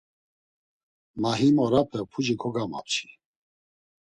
Ma him orape puci kogamapçi.